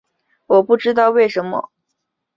我不知道为什么在他作品中不说真话呢？